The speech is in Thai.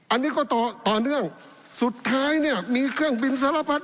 อันนี้ก็ต่อต่อเนื่องสุดท้ายเนี่ยมีเครื่องบินสารพัด